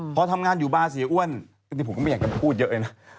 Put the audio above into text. พอทำงานอยู่บาร์เสียอ้วนอันนี้ผมก็ไม่อยากจะพูดเยอะเลยนะ